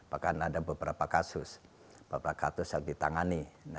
bahkan ada beberapa kasus beberapa kasus yang ditangani